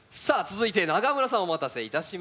続いて永村さんお待たせいたしました。